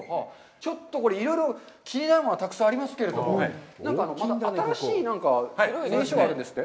ちょっと、これ、いろいろ気になるものがたくさんありますけども、また新しいお話があるんですって。